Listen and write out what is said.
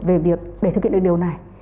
về việc để thực hiện được điều này